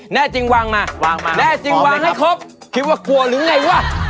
แน่จริงวางมาวางมาแน่จริงวางให้ครบคิดว่ากลัวหรือไงวะ